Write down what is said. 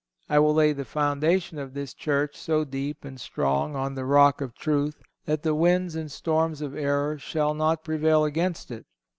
I will lay the foundation of this Church so deep and strong on the rock of truth that the winds and storms of error shall not prevail against it.